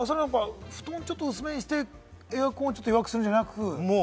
布団を薄めにしてエアコンを弱くするんじゃなく？